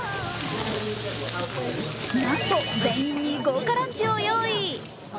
なんと全員に豪華ランチを用意。